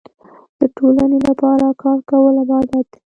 د ټولنې لپاره کار کول عبادت دی.